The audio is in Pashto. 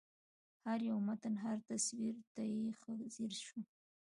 هر یو متن هر تصویر ته یې ښه ځېر شوم